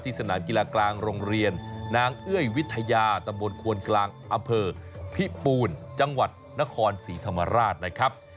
สนามกีฬากลางโรงเรียนนางเอ้ยวิทยาตำบลควนกลางอำเภอพิปูนจังหวัดนครศรีธรรมราชนะครับ